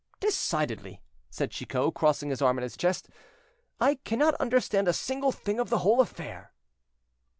"Decidedly," said Chicot, crossing his arms on his chest, "I cannot understand a single thing of the whole affair."